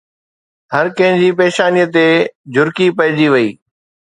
هر ڪنهن جي پيشانيءَ تي جهرڪي پئجي وئي